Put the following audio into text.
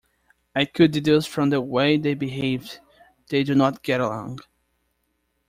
I could deduce from the way they behaved, they do not get along.